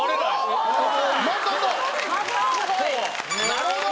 なるほど！